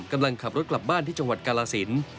กำลังขับรถกลับบ้านที่จังหวัดกาลสิน